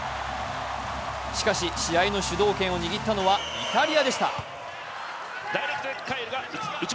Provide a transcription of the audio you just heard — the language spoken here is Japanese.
しかし、試合の主導権を握ったのはイタリアでした。